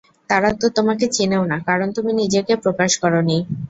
তারা তো তোমাকে চিনেও না, কারণ তুমি নিজেকে প্রকাশ করোনি।